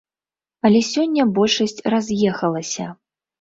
Але сёння большасць раз'ехалася.